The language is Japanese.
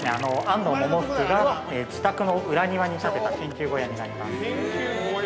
安藤百福が自宅の裏庭に建てた研究小屋になります。